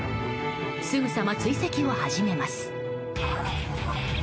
すぐさま追跡を始めます。